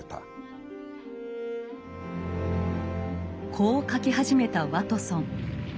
こう書き始めたワトソン。